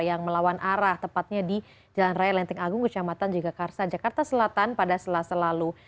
yang melawan arah tepatnya di jalan raya lenteng agung kecamatan jagakarsa jakarta selatan pada selasa lalu